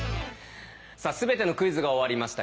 さあ全てのクイズが終わりました。